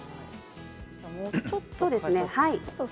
もうちょっとですかね。